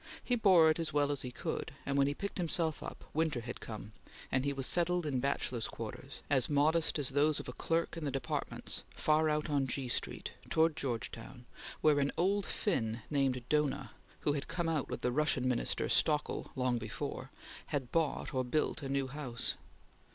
He bore it as well as he could, and when he picked himself up, winter had come, and he was settled in bachelor's quarters, as modest as those of a clerk in the Departments, far out on G Street, towards Georgetown, where an old Finn named Dohna, who had come out with the Russian Minister Stoeckel long before, had bought or built a new house.